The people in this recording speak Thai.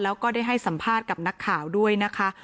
แล้วก็ได้ให้สัมภาษณ์กับนักข่าวด้วยนะคะ